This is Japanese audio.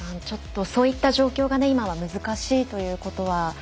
そういった状況が難しいということは。